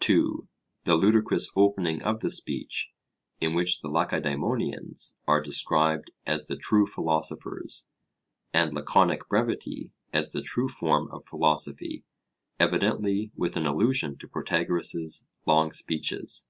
(2) The ludicrous opening of the speech in which the Lacedaemonians are described as the true philosophers, and Laconic brevity as the true form of philosophy, evidently with an allusion to Protagoras' long speeches.